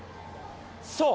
そう。